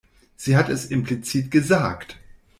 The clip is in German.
Sie hat es implizit gesagt.